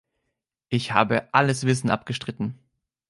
Ich habe alles Wissen abgestritten.